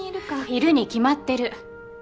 いるに決まってる。